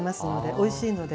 おいしいので。